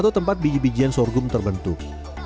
atau tempat biji bijian sorghum terbentuk